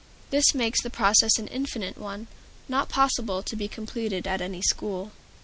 This makes the process an infinite one, not possible to be completed at any school.